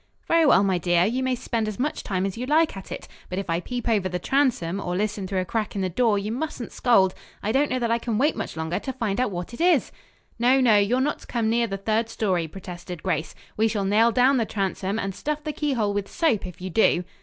"Very well, my dear, you may spend as much time as you like at it; but if I peep over the transom, or listen through a crack in the door, you mustn't scold. I don't know that I can wait much longer to find out what it is." "No, no! You're not to come near the third story," protested Grace. "We shall nail down the transom and stuff the keyhole with soap if you do."